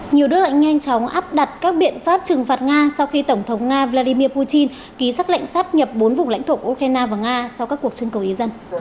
nhiều đất lãnh nhanh chóng áp đặt các biện pháp trừng phạt nga sau khi tổng thống nga vladimir putin ký sắc lệnh sáp nhập bốn vùng lãnh thổ của ukraine và nga sau các cuộc trưng cầu ý dân